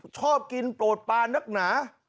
ชอบกินโปรดปลานักหนา